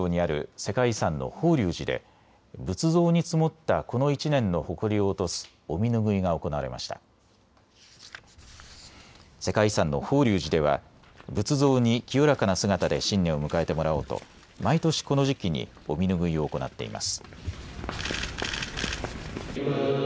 世界遺産の法隆寺では仏像に清らかな姿で新年を迎えてもらおうと毎年この時期にお身拭いを行っています。